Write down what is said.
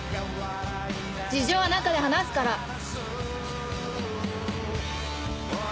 事情は中で話すから！